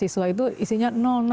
induk siswa itu isinya